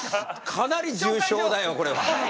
かなり重症だよこれは。